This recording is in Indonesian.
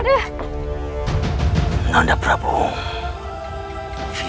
jangan lupa like